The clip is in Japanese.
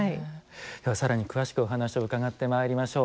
ではさらに詳しくお話を伺ってまいりましょう。